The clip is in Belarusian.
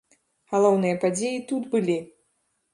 Галоўныя падзеі тут былі!